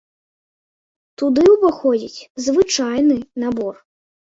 Туды ўваходзіць звычайны набор.